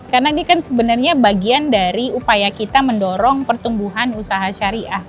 karena ini kan sebenarnya bagian dari upaya kita mendorong pertumbuhan usaha syariah